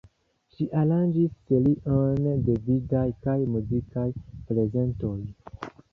Ŝi aranĝis serion de vidaj kaj muzikaj prezentoj.